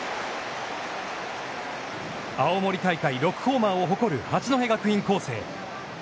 青森大会６ホーマーを誇る八戸学院光星。